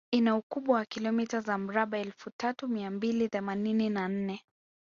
Ina ukubwa wa kilomita za mraba Elfu tatu mia mbili themanini na nne